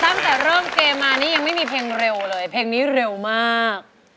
ตั้งแต่เริ่มเกมมานี่ยังไม่มีเพลงเร็วเลยเพลงนี้เร็วมาก